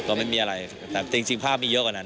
ก็ไม่มีอะไรแต่จริงภาพมีเยอะกว่านั้น